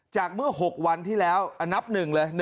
เมื่อ๖วันที่แล้วนับ๑เลย